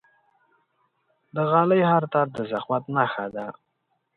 د غالۍ هر تار د زحمت نخښه ده.